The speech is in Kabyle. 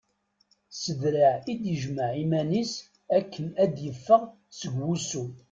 S draɛ i d-yejmeɛ iman-is akken ad d-iffeɣ seg wussu.